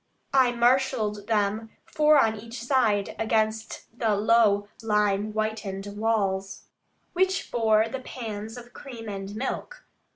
I marshalled them, four on each side, against the low lime whitened walls, which bore the pans of cream and milk.